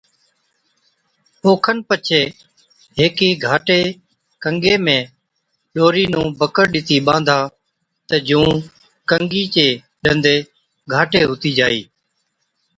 او کن پڇي هيڪي گھاٽِي ڪنگِي ۾ ڏوري نُون بڪڙ ڏِتِي ٻانڌا تہ جُون ڪنگِي چي ڏندي گھاٽي هُتِي جائِي۔